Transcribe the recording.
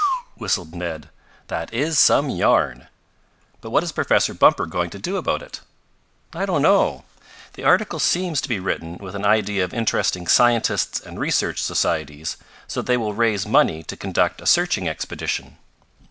"Whew!" whistled Ned. "That IS some yarn. But what is Professor Bumper going to do about it?" "I don't know. The article seems to be written with an idea of interesting scientists and research societies, so that they will raise money to conduct a searching expedition.